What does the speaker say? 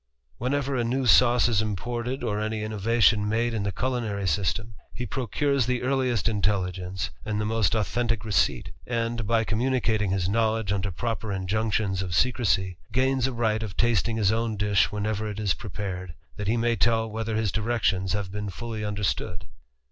Whenever a new sauce is imported, or any innovation ade in the culinary system, he procures the earliest telligence, and the most authentick receipt; and, by immunicating his knowledge under proper injunctions of crecy, gains a right of tasting his own dish whenever it is epared, that he may tell whether his directions have been lly understood.